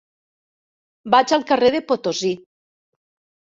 Vaig al carrer de Potosí.